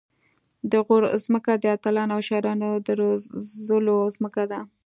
د غور ځمکه د اتلانو او شاعرانو د روزلو ځمکه ده